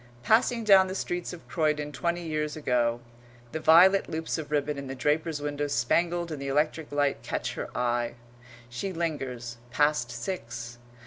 Passing down the streets of Croydon twenty years ago, the violet loops of ribbon in the draper's window spangled in the electric light catch her eye. She lingers past six.